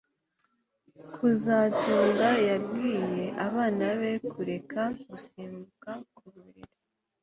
kazitunga yabwiye abana be kureka gusimbuka ku buriri